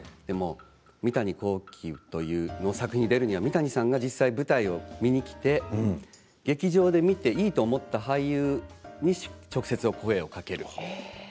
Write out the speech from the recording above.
三谷幸喜の作品に出るには三谷さんが実際に舞台を見に来て劇場で見て、いいと思った俳優にしか直接声をかける。